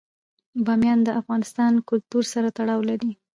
بامیان د افغان کلتور سره تړاو لري.